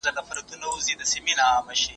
هغه خیرنې جامې اغوستې وې.